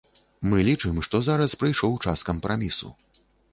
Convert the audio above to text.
Мы лічым, што зараз прыйшоў час кампрамісу.